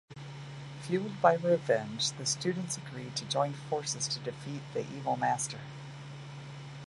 Fuelled by revenge, the students agree to join forces to defeat the evil master.